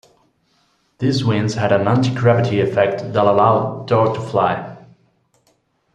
These wings had a "anti-gravity effect" that allowed Dore to fly.